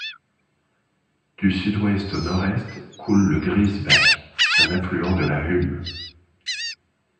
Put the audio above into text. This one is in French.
Du sud-ouest au nord-est coule le Grießebach, un affluent de la Humme.